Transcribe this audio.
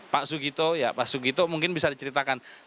pak sugito ya pak sugito mungkin bisa diceritakan